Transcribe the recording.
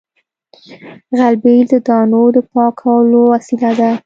غلبېل د دانو د پاکولو وسیله ده